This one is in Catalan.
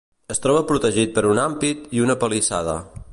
Es troba protegit per un ampit i una palissada.